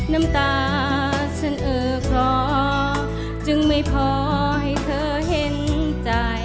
น้ำตาฉันเออคลอจึงไม่พอให้เธอเห็นใจ